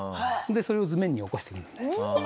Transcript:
でそれを図面に起こしていくんですね。